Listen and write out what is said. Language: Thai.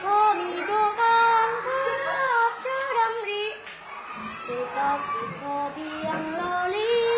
พอมีตัวกลางเพื่ออาจจะดำริเกิดเกิดพอเพียงละลิ